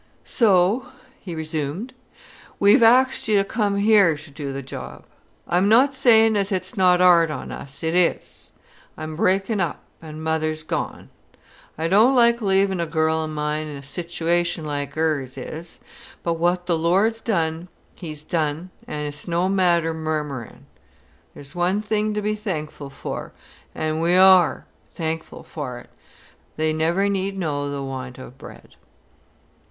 "So," he resumed, "we'v axed you to come here to do the job. I'm not sayin' as it's not 'ard on us, it is. I'm breakin' up, an' mother's gone. I don't like leavin' a girl o' mine in a situation like 'ers is, but what the Lord's done, He's done, an' it's no matter murmuring.... There's one thing to be thankful for, an' we are thankful for it: they never need know the want of bread."